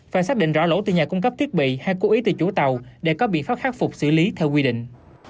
phải xác định rõ lỗi từ nhà cung cấp thiết bị hay cố ý từ chủ tàu để có biện pháp khắc phục xử lý theo quy định